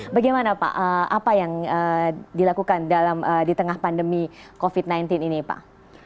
bagaimana pak apa yang dilakukan di tengah pandemi covid sembilan belas ini pak